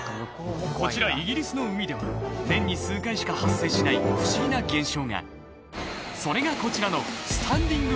こちらイギリスの海では年に数回しか発生しない不思議な現象がそれがこちらのスタンディング